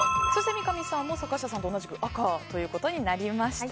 三上さんも坂下さんと同じく赤となりました。